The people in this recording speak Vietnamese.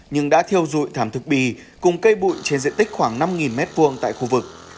nhưng đã thiêu dụi thảm thực bì cùng cây bụi trên diện tích khoảng năm m hai tại khu vực